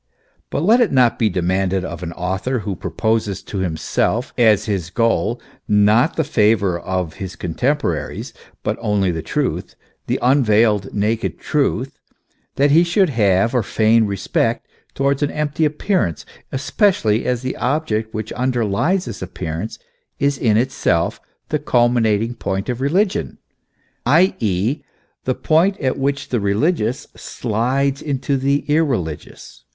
But let it not be demanded of an author who proposes to himself as his goal not the favour of his contemporaries, but only the truth, the unveiled, naked truth, that he should have or feign respect towards an empty appearance, especially as the object which underlies this appear ance is in itself the culminating point of religion, i. e., the point at which the religious slides into the irreligious.